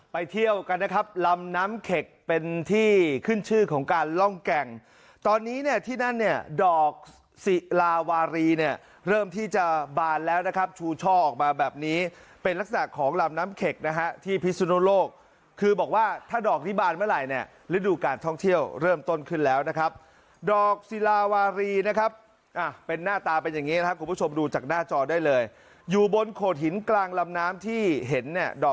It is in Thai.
ไปเที่ยวกันนะครับลำน้ำเข็กเป็นที่ขึ้นชื่อของการล่องแก่งตอนนี้เนี่ยที่นั่นเนี่ยดอกสิลาวารีเนี่ยเริ่มที่จะบานแล้วนะครับชูช่อออกมาแบบนี้เป็นลักษณะของลำน้ำเข็กนะฮะที่พิศุโนโลกคือบอกว่าถ้าดอกนี้บานเมื่อไหร่เนี่ยฤดูการท่องเที่ยวเริ่มต้นขึ้นแล้วนะครับดอกสิลาวารีนะครับเป็นหน้าตาเป็น